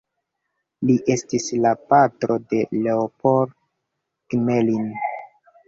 Li estis la patro de Leopold Gmelin.